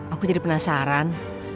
aku jadi penasaran